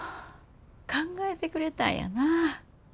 考えてくれたんやな。